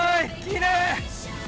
きれい！